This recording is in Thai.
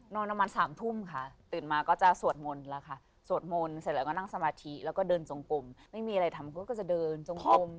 ประมาณ๓ทุ่มค่ะตื่นมาก็จะสวดมนต์แล้วค่ะสวดมนต์เสร็จแล้วก็นั่งสมาธิแล้วก็เดินจงกลมไม่มีอะไรทำก็จะเดินจงกลม